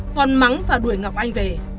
còn mắng và đuổi ngọc anh về